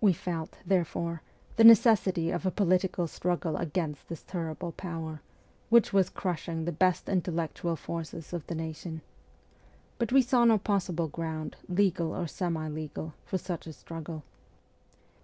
We felt, therefore, the ST. PETERSBURG 99 necessity of a political struggle against this terrible power, which was crushing the best intellectual forces of the nation. But we saw no possible ground, legal or semi legal, for such a struggle.